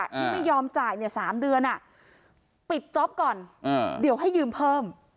ที่ไม่ยอมจ่าย๓เดือนปิดจ๊อปก่อนเดี๋ยวให้ยืมเพิ่ม